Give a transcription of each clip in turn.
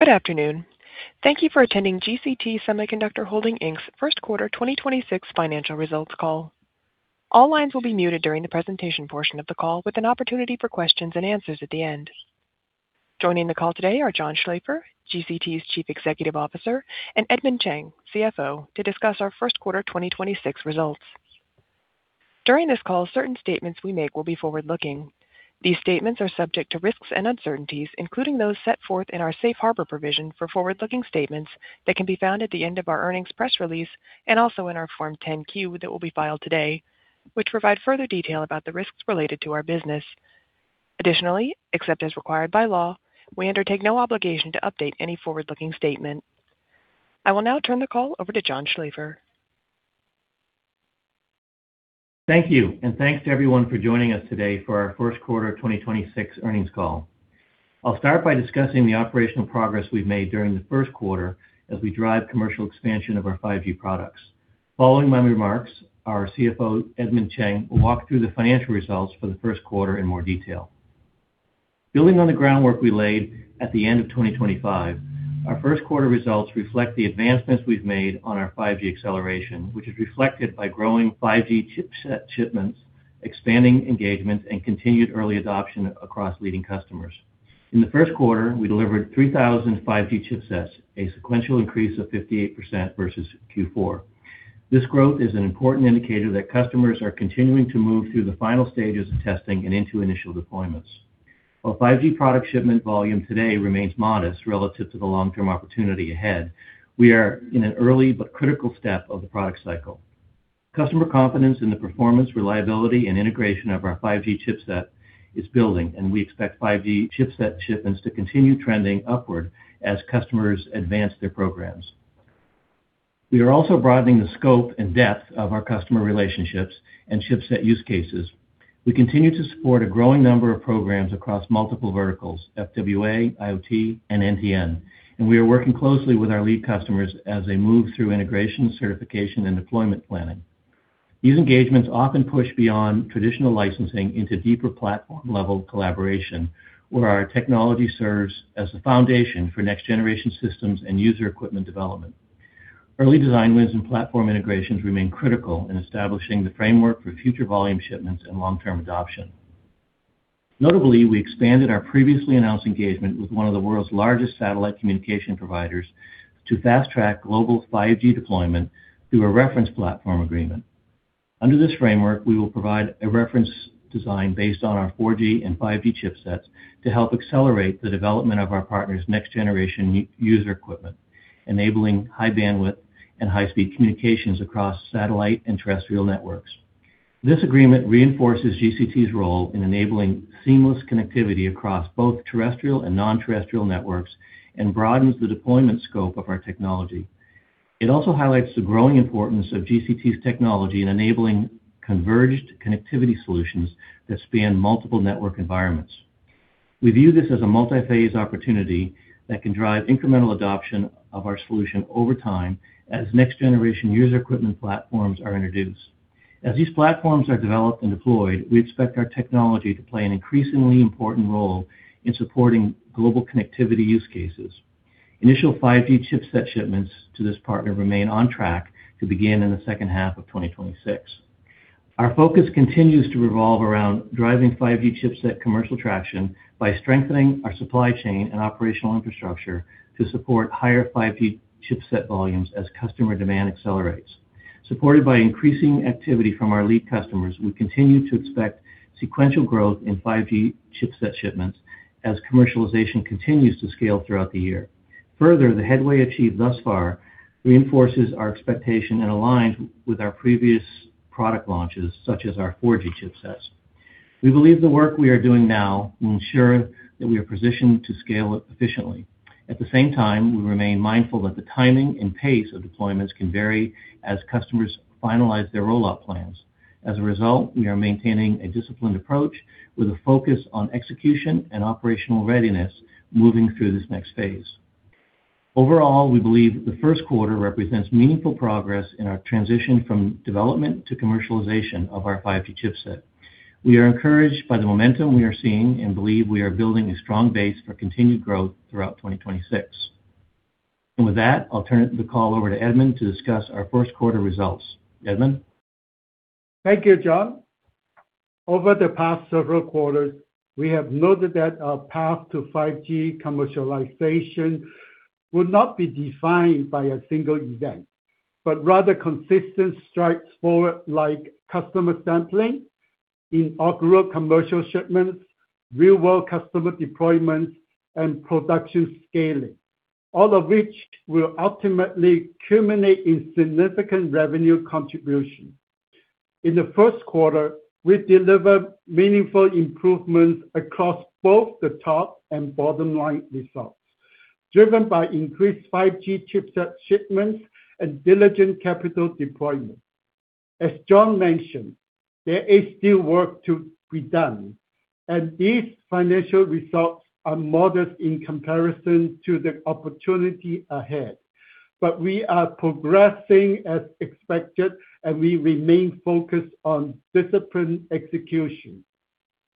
Good afternoon. Thank you for attending GCT Semiconductor Holding, Inc.'s Q1 2026 financial results call. All lines will be muted during the presentation portion of the call, with an opportunity for questions and answers at the end. Joining the call today are John Schlaefer, GCT's Chief Executive Officer, and Edmond Cheng, Chief Financial Officer, to discuss our Q1 2026 results. During this call, certain statements we make will be forward-looking. These statements are subject to risks and uncertainties, including those set forth in our safe harbor provision for forward-looking statements that can be found at the end of our earnings press release and also in our Form 10-Q that will be filed today, which provide further detail about the risks related to our business. Additionally, except as required by law, we undertake no obligation to update any forward-looking statement. I will now turn the call over to John Schlaefer. Thank you, and thanks to everyone for joining us today for our first quarter 2026 earnings call. I'll start by discussing the operational progress we've made during the first quarter as we drive commercial expansion of our 5G products. Following my remarks, our Chief Financial Officer, Edmond Cheng, will walk through the financial results for the first quarter in more detail. Building on the groundwork we laid at the end of 2025, our first quarter results reflect the advancements we've made on our 5G acceleration, which is reflected by growing 5G chipset shipments, expanding engagements, and continued early adoption across leading customers. In the first quarter, we delivered 3,000 5G chipsets, a sequential increase of 58% versus Q4. This growth is an important indicator that customers are continuing to move through the final stages of testing and into initial deployments. While 5G product shipment volume today remains modest relative to the long-term opportunity ahead, we are in an early but critical step of the product cycle. Customer confidence in the performance, reliability, and integration of our 5G chipset is building, and we expect 5G chipset shipments to continue trending upward as customers advance their programs. We are also broadening the scope and depth of our customer relationships and chipset use cases. We continue to support a growing number of programs across multiple verticals, FWA, IoT, and NTN, and we are working closely with our lead customers as they move through integration, certification, and deployment planning. These engagements often push beyond traditional licensing into deeper platform-level collaboration, where our technology serves as the foundation for next-generation systems and user equipment development. Early design wins and platform integrations remain critical in establishing the framework for future volume shipments and long-term adoption. Notably, we expanded our previously announced engagement with one of the world's largest satellite communication providers to fast-track global 5G deployment through a reference platform agreement. Under this framework, we will provide a reference design based on our 4G and 5G chipsets to help accelerate the development of our partner's next-generation user equipment, enabling high bandwidth and high-speed communications across satellite and terrestrial networks. This agreement reinforces GCT's role in enabling seamless connectivity across both terrestrial and non-terrestrial networks and broadens the deployment scope of our technology. It also highlights the growing importance of GCT's technology in enabling converged connectivity solutions that span multiple network environments. We view this as a multi-phase opportunity that can drive incremental adoption of our solution over time as next-generation user equipment platforms are introduced. As these platforms are developed and deployed, we expect our technology to play an increasingly important role in supporting global connectivity use cases. Initial 5G chipset shipments to this partner remain on track to begin in the second half of 2026. Our focus continues to revolve around driving 5G chipset commercial traction by strengthening our supply chain and operational infrastructure to support higher 5G chipset volumes as customer demand accelerates. Supported by increasing activity from our lead customers, we continue to expect sequential growth in 5G chipset shipments as commercialization continues to scale throughout the year. Further, the headway achieved thus far reinforces our expectation and aligns with our previous product launches, such as our 4G chipsets. We believe the work we are doing now will ensure that we are positioned to scale efficiently. At the same time, we remain mindful that the timing and pace of deployments can vary as customers finalize their rollout plans. As a result, we are maintaining a disciplined approach with a focus on execution and operational readiness moving through this next phase. Overall, we believe that the first quarter represents meaningful progress in our transition from development to commercialization of our 5G chipset. We are encouraged by the momentum we are seeing and believe we are building a strong base for continued growth throughout 2026. With that, I'll turn the call over to Edmond to discuss our first quarter results. Edmond? Thank you, John. Over the past several quarters, we have noted that our path to 5G commercialization will not be defined by a single event, but rather consistent strides forward like customer sampling, inaugural commercial shipments, real-world customer deployments, and production scaling, all of which will ultimately culminate in significant revenue contribution. In the first quarter, we delivered meaningful improvements across both the top and bottom line results, driven by increased 5G chipset shipments and diligent capital deployment. As John mentioned, there is still work to be done, and these financial results are modest in comparison to the opportunity ahead. We are progressing as expected, and we remain focused on disciplined execution.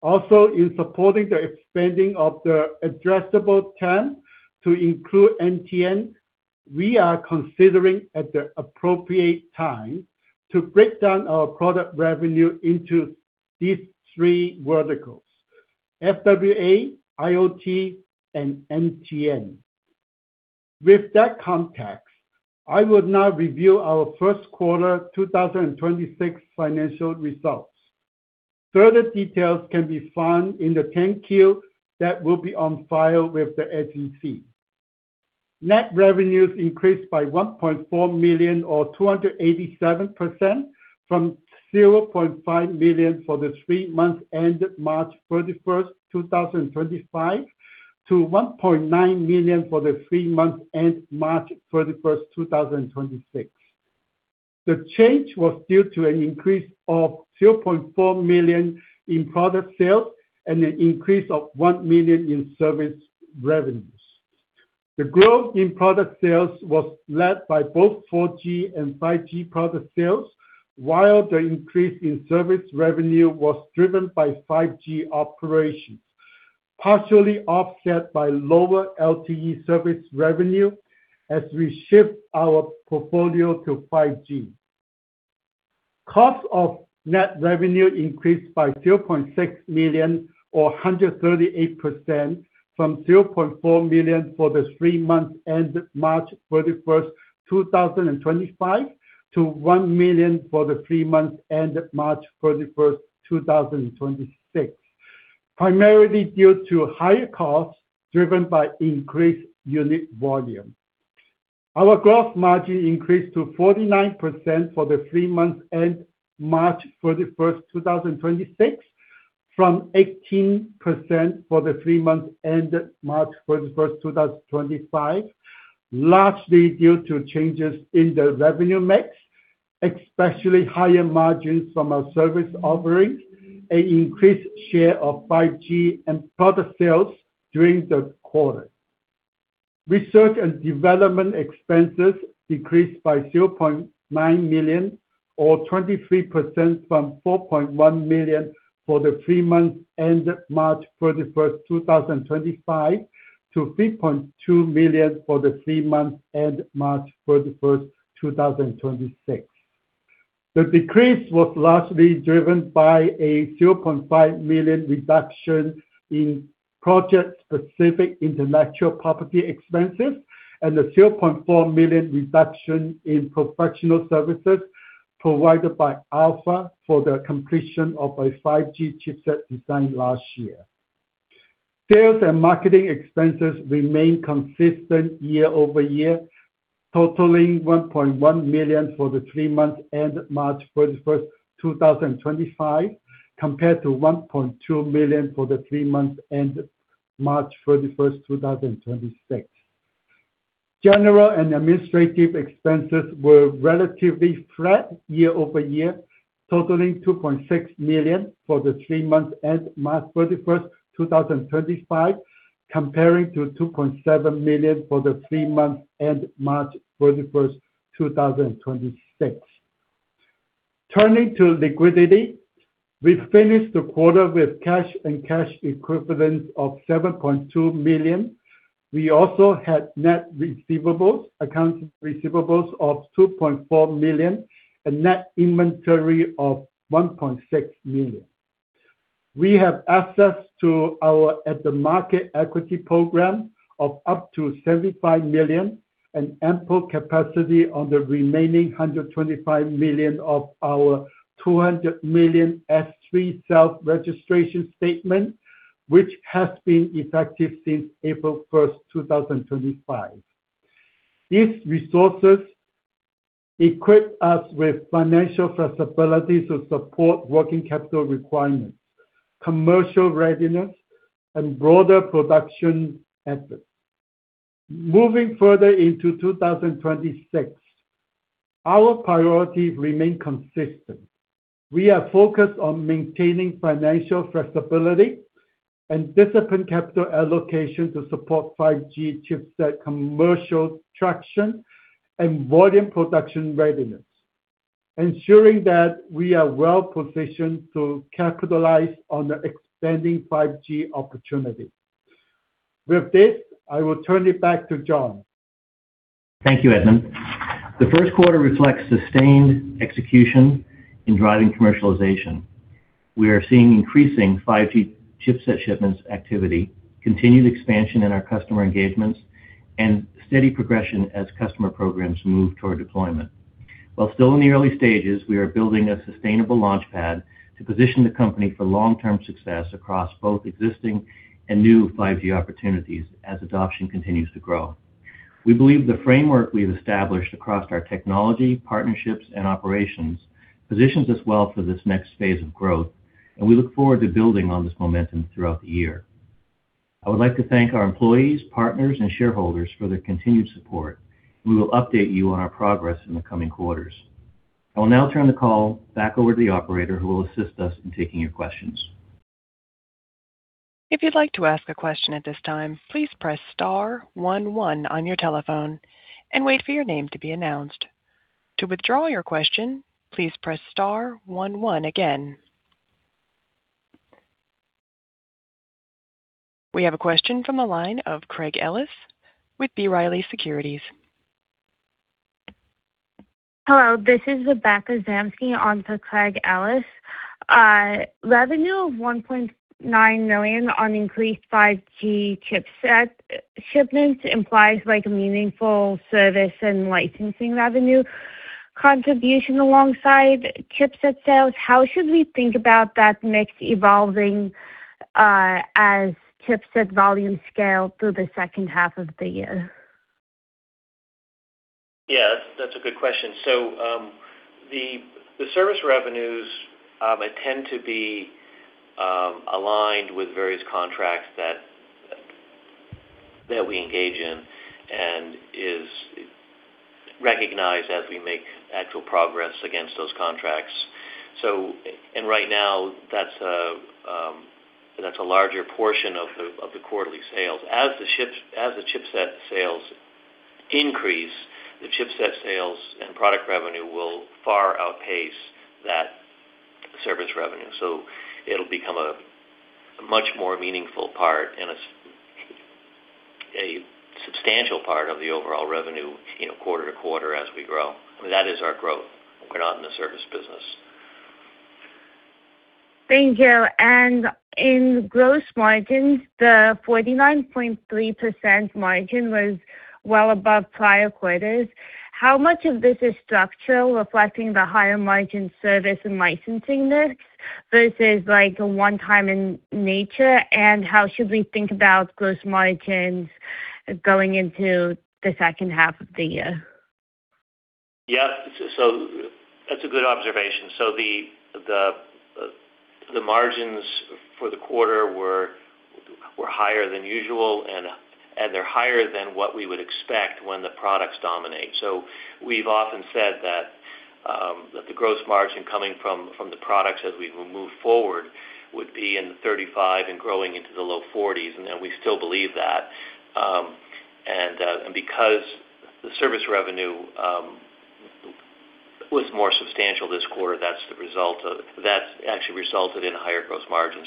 Also, in supporting the expanding of the addressable TAM to include NTN, we are considering at the appropriate time to break down our product revenue into these three verticals, FWA, IoT, and NTN. With that context, I will now review our first quarter 2026 financial results. Further details can be found in the 10-Q that will be on file with the SEC. Net revenues increased by $1.4 million or 287% from $0.5 million for the three months ended March 31st, 2025 to $1.9 million for the three months ended March 31st, 2026. The change was due to an increase of $0.4 million in product sales and an increase of $1 million in service revenues. The growth in product sales was led by both 4G and 5G product sales, while the increase in service revenue was driven by 5G operations, partially offset by lower LTE service revenue as we shift our portfolio to 5G. Cost of net revenue increased by $0.6 million or 138% from $0.4 million for the three months ended March 31st, 2025 to $1 million for the three months ended March 31st, 2026, primarily due to higher costs driven by increased unit volume. Our gross margin increased to 49% for the three months ended March 31st, 2026 from 18% for the three months ended March 31st, 2025, largely due to changes in the revenue mix, especially higher margins from our service offerings and increased share of 5G and product sales during the quarter. Research and development expenses decreased by $0.9 million or 23% from $4.1 million for the three months ended March 31st, 2025 to $3.2 million for the three months ended March 31st, 2026. The decrease was largely driven by a $0.5 million reduction in project-specific intellectual property expenses and a $0.4 million reduction in professional services provided by Alpha for the completion of a 5G chipset design last year. Sales and marketing expenses remain consistent year-over-year, totaling $1.1 million for the three months ended March 31st, 2025 compared to $1.2 million for the three months ended March 31st, 2026. General and administrative expenses were relatively flat year-over-year, totaling $2.6 million for the three months ended March 31st, 2025 comparing to $2.7 million for the three months ended March 31st, 2026. Turning to liquidity, we finished the quarter with cash and cash equivalents of $7.2 million. We also had net receivables, accounts receivables of $2.4 million and net inventory of $1.6 million. We have access to our at the market equity program of up to $75 million and ample capacity on the remaining $125 million of our $200 million S-3 self-registration statement, which has been effective since April 1st, 2025. These resources equip us with financial flexibility to support working capital requirements, commercial readiness, and broader production efforts. Moving further into 2026, our priorities remain consistent. We are focused on maintaining financial flexibility and disciplined capital allocation to support 5G chipset commercial traction and volume production readiness, ensuring that we are well-positioned to capitalize on the expanding 5G opportunity. With this, I will turn it back to John. Thank you, Edmond. The first quarter reflects sustained execution in driving commercialization. We are seeing increasing 5G chipset shipments activity, continued expansion in our customer engagements, and steady progression as customer programs move toward deployment. While still in the early stages, we are building a sustainable launch pad to position the company for long-term success across both existing and new 5G opportunities as adoption continues to grow. We believe the framework we've established across our technology, partnerships, and operations positions us well for this next phase of growth, and we look forward to building on this momentum throughout the year. I would like to thank our employees, partners, and shareholders for their continued support. We will update you on our progress in the coming quarters. I will now turn the call back over to the operator, who will assist us in taking your questions. We have a question from the line of Craig Ellis with B. Riley Securities. Hello, this is Rebecca Zamsky on for Craig Ellis. Revenue of $1.9 million on increased 5G chipset shipments implies like meaningful service and licensing revenue contribution alongside chipset sales. How should we think about that mix evolving as chipset volume scale through the H2 of the year? Yeah, that's a good question. The service revenues tend to be aligned with various contracts that we engage in and is recognized as we make actual progress against those contracts. Right now, that's a larger portion of the quarterly sales. As the chipset sales increase, the chipset sales and product revenue will far outpace that service revenue. It'll become a much more meaningful part and a substantial part of the overall revenue, you know, quarter to quarter as we grow. That is our growth. We're not in the service business. Thank you. In gross margins, the 49.3% margin was well above prior quarters. How much of this is structural, reflecting the higher margin service and licensing mix versus like a one-time in nature? How should we think about gross margins going into the second half of the year? Yeah. That's a good observation. The margins for the quarter were higher than usual, and they're higher than what we would expect when the products dominate. We've often said that the gross margin coming from the products as we move forward would be in the 35 and growing into the low 40s, and then we still believe that. Because the service revenue was more substantial this quarter, that's actually resulted in a higher gross margin.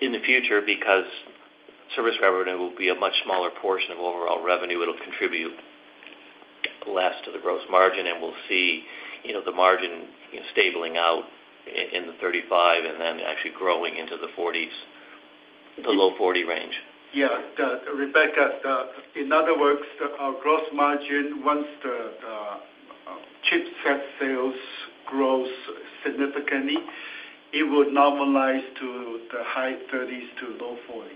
In the future, because service revenue will be a much smaller portion of overall revenue, it'll contribute less to the gross margin, and we'll see, you know, the margin, you know, stabilizing out in the 35 and then actually growing into the 40s, the low 40 range. Yeah. Rebecca, in other words, our gross margin, once the chipset sales grows significantly, it would normalize to the high 30s%-low 40s%.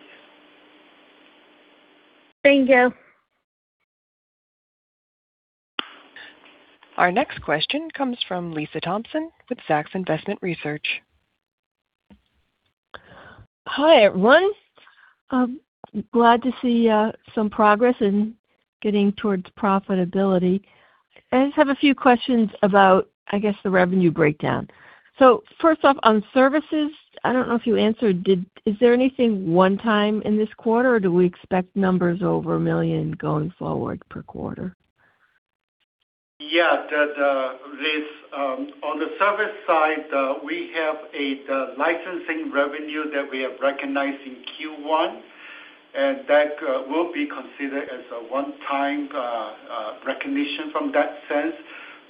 Thank you. Our next question comes from Lisa Thompson with Zacks Investment Research. Hi, everyone. Glad to see some progress in getting towards profitability. I just have a few questions about, I guess, the revenue breakdown. First off, on services, I don't know if you answered, is there anything one-time in this quarter, or do we expect numbers over $1 million going forward per quarter? Yeah. This on the service side, we have the licensing revenue that we have recognized in Q1. That will be considered as a one-time recognition from that sense.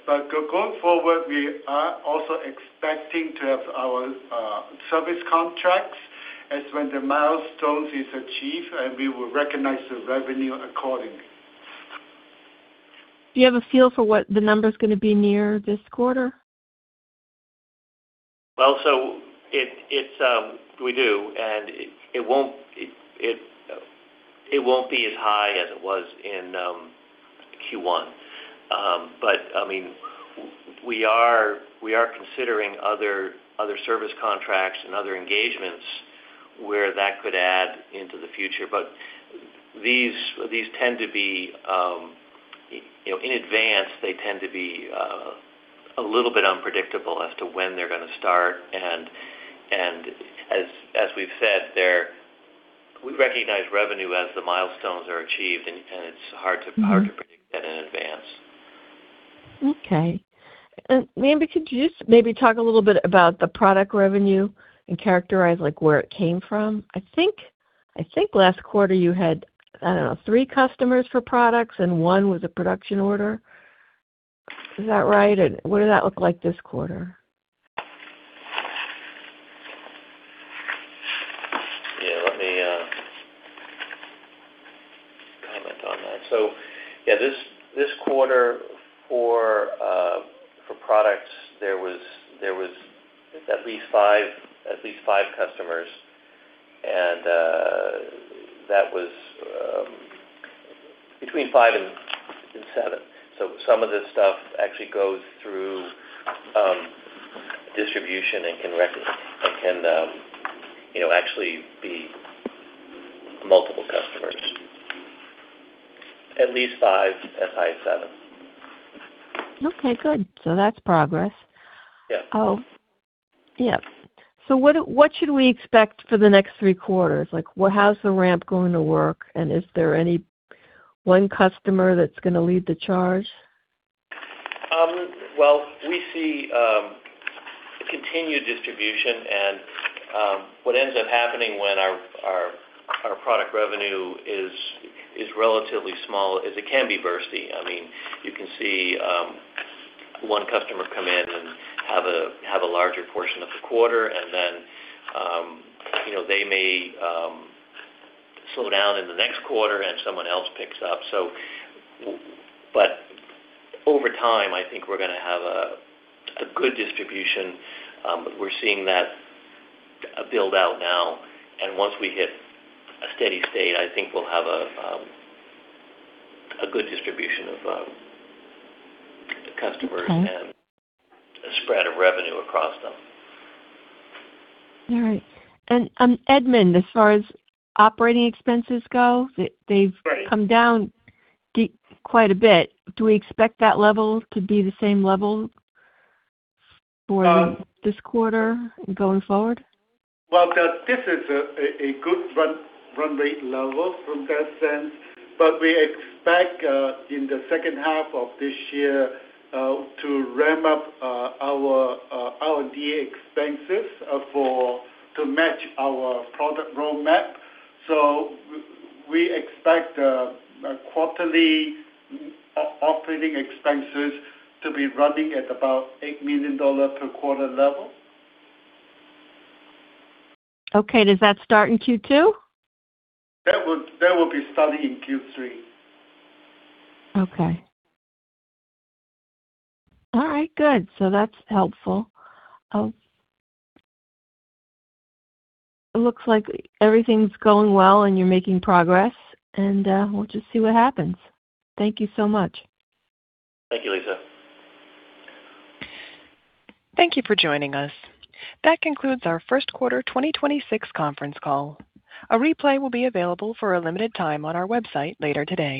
Going forward, we are also expecting to have our service contracts as when the milestones is achieved, and we will recognize the revenue accordingly. Do you have a feel for what the number's gonna be near this quarter? We do, and it won't be as high as it was in Q1. I mean, we are considering other service contracts and other engagements where that could add into the future. These tend to be, you know, in advance, they tend to be a little bit unpredictable as to when they're gonna start. As we've said, they're We recognize revenue as the milestones are achieved. Hard to predict that in advance. Okay. Could you just talk a little bit about the product revenue and characterize like where it came from? I think last quarter you had, I don't know, three customers for products and one was a production order. Is that right? What did that look like this quarter? Let me comment on that. This quarter for products, there was at least five customers, that was between five and seven. Some of this stuff actually goes through distribution and can, you know, actually be multiple customers. At least five, as high as seven. Okay, good. That's progress. Yeah. Oh, yes. What should we expect for the next three quarters? Like, how's the ramp going to work? Is there any one customer that's going to lead the charge? Well, we see continued distribution and what ends up happening when our product revenue is relatively small is it can be bursty. I mean, you can see one customer come in and have a larger portion of the quarter, and then, you know, they may slow down in the next quarter and someone else picks up. But over time, I think we're gonna have a good distribution. We're seeing that build out now. Once we hit a steady state, I think we'll have a good distribution of the customers. Okay. A spread of revenue across them. All right. Edmond, as far as operating expenses go. Right. Come down quite a bit. Do we expect that level to be the same level for this quarter going forward? Well, this is a good run rate level from that sense. We expect in the second half of this year to ramp up our R&D expenses to match our product roadmap. We expect quarterly operating expenses to be running at about $8 million per quarter level. Okay. Does that start in Q2? That will be starting in Q3. Okay. All right, good. That's helpful. It looks like everything's going well, and you're making progress, and we'll just see what happens. Thank you so much. Thank you, Lisa. Thank you for joining us. That concludes our first quarter 2026 conference call. A replay will be available for a limited time on our website later today.